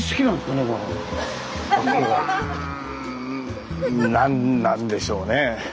うん何なんでしょうね。